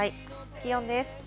気温です。